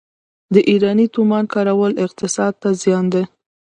د ایراني تومان کارول اقتصاد ته زیان دی.